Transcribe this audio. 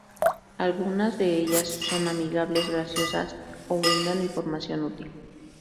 Algunas de ellas son amigables, graciosas, o brindan información útil.